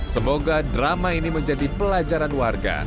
semoga drama ini menjadi pelajaran warga